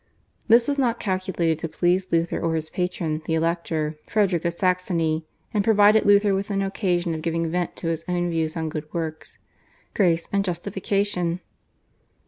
This was not calculated to please Luther or his patron the Elector, Frederick of Saxony, and provided Luther with an occasion of giving vent to his own views on good works, Grace, and Justification.